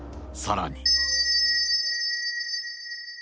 さらに。